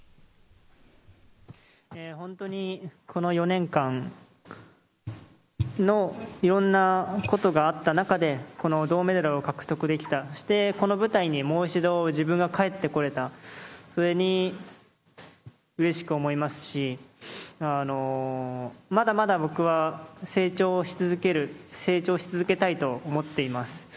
本当にこの４年間のいろんなことがあった中で、この銅メダルを獲得できた、そしてこの舞台にもう一度、自分が帰ってこれた、それにうれしく思いますし、まだまだ僕は成長し続ける、成長し続けたいと思っています。